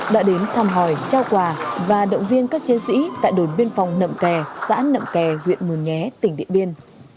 đã đến thăm hỏi trao quà và động viên các chiến sĩ tại đồn biên phòng nậm kè xã nậm kè huyện mường nhé tỉnh điện biên